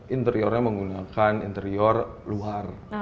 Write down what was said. interiornya menggunakan interior luar